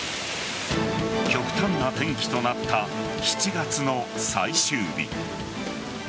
極端な天気となった７月の最終日。